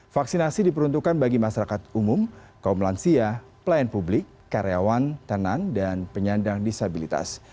vaksinasi diperuntukkan bagi masyarakat umum kaum lansia pelayan publik karyawan tenan dan penyandang disabilitas